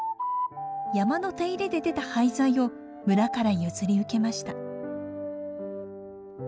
山の手入れで出た廃材を村から譲り受けました。